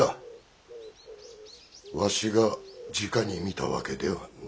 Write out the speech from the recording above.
わしがじかに見たわけではない。